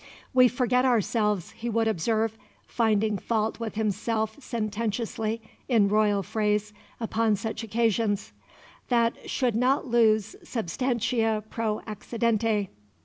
"We forget ourselves," he would observe, finding fault with himself sententiously in royal phrase, upon such occasions, "that should not lose substantia pro accidente."